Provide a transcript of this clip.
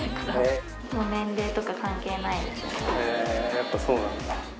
やっぱそうなんだ。